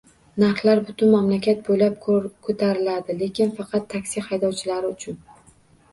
Narxlar butun mamlakat bo'ylab ko'tariladi, lekin faqat taksi haydovchilari uchun